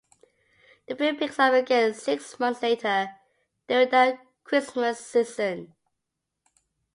The film picks up again six months later, during the Christmas season.